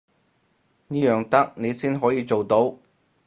呢樣得你先可以做到